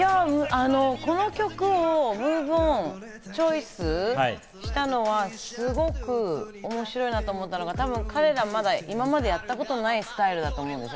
この曲、『ＭｏｖｅＯｎ』をチョイスしたのは、すごく面白いなと思ったのが、彼ら、まだやったことないスタイルだと思うんです。